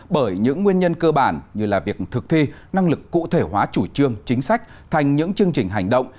bởi những nguyên nhân cơ bản như là việc thực thi năng lực cụ thể hóa chủ trương chính sách thành những chương trình hành động